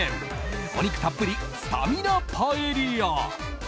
お肉たっぷりスタミナパエリア。